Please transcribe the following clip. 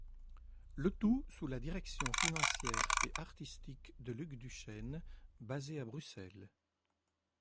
Le tout sous la direction financière et artistique de Luc Duchêne basé à Bruxelles.